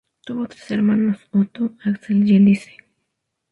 Tuvo tres hermanos, Otto, Axel y Elise.